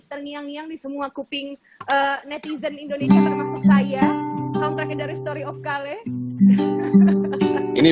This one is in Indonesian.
terngiang ngiang di semua kuping netizen indonesia termasuk saya kontraknya dari story of kale ini